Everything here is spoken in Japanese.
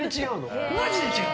マジで違う！